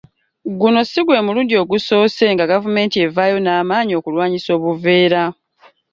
Guno si gw'emulundi ogusoose nga gavumenti evaayo n'amaanyi okulwanyisa obuveera.